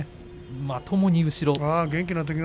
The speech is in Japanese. まともに後ろに。